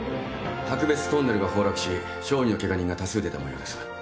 トンネルが崩落し小児のけが人が多数出た模様です。